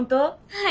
はい。